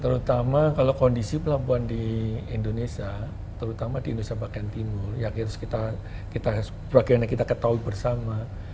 terutama kalau kondisi pelabuhan di indonesia terutama di indonesia bagian timur yang kita ketahui bersama